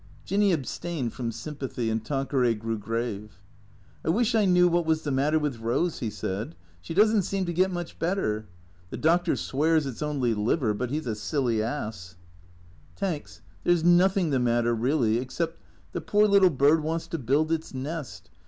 Jinny abstained from sympathy, and Tanqueray grew grave, " I wish I knew what was the matter with Eose," he said, " She does n't seem to get much better. The doctor swears it 's only liver; but he 's a silly ass," " Tanks, there 's nothing the matter really, except •— the poor little bird wants to build its nest.